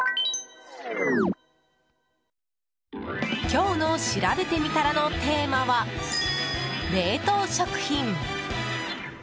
今日のしらべてみたらのテーマは冷凍食品。